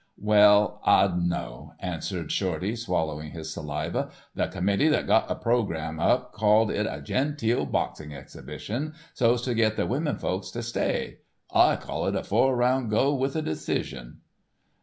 "Well, I d'n know," answered Shorty, swallowing his saliva. "The committee that got the programme up called it a genteel boxing exhibition so's to get the women folks to stay. I call it a four round go with a decision."